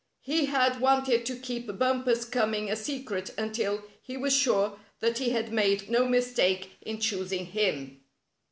He had wanted to keep Bumper's coming a secret until he was sure that he had made no mistake in choosing him.